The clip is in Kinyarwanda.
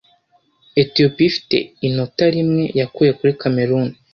Ethiopia ifite inota rimwe yakuye kuri Cameroon